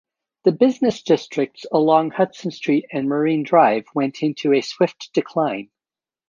The business districts along Hudson Street and Marine Drive went into a swift decline.